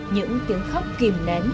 những tiếng khóc kìm nèm